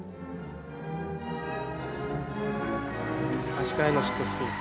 足換えのシットスピン。